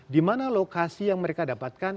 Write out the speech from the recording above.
di mana lokasi yang mereka dapatkan